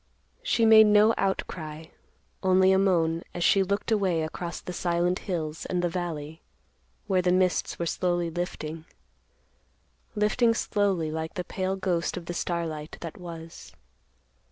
She made no outcry, only a moan, as she looked away across the silent hills and the valley, where the mists were slowly lifting; lifting slowly like the pale ghost of the starlight that was.